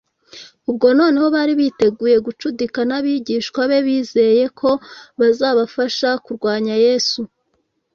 ubu bwo noneho bari biteguye gucudika n’abigishwa be bizeye ko bazabafasha kurwanya yesu